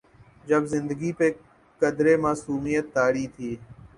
جب زندگی پہ قدرے معصومیت طاری تھی۔